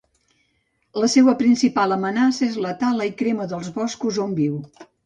La seua principal amenaça és la tala i crema dels boscos on viu.